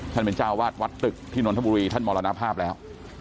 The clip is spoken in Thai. ท่านเป็นเจ้าวาดวัดตึกที่นนทบุรีท่านมรณภาพแล้ว